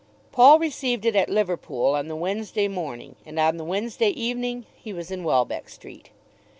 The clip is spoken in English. Paul received it at Liverpool on the Wednesday morning, and on the Wednesday evening he was in Welbeck Street.